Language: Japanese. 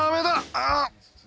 ああ！